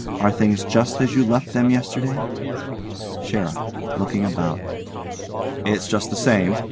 Are things just as you left them yesterday? SHERIFF: (looking about) It's just the same.